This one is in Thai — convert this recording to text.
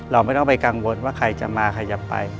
เราไม่ต้องไปกังวลว่าใครจะมาใครจะไป